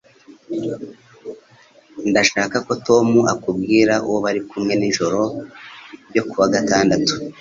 Ndashaka ko Tom akubwira uwo bari kumwe nijoro ryo kuwa gatandatu.